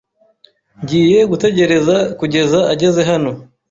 Ngiye gutegereza kugeza ageze hano.